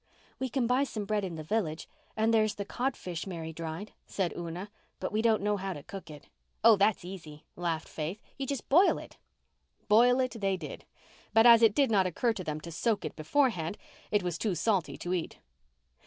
"We can buy some bread in the village and there's the codfish Mary dried," said Una. "But we don't know how to cook it." "Oh, that's easy," laughed Faith. "You just boil it." Boil it they did; but as it did not occur to them to soak it beforehand it was too salty to eat.